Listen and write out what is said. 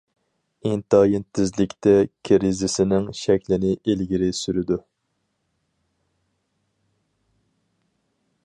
ئىنتايىن تېزلىكتە كىرىزىسنىڭ شەكلىنى ئىلگىرى سۈرىدۇ.